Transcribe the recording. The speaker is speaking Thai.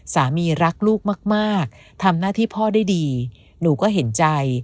รักลูกมากทำหน้าที่พ่อได้ดีหนูก็เห็นใจ